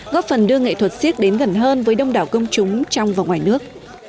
góp phần đưa nghệ thuật siếc đến gần hơn với đông đảo công chúng trong và ngoài nước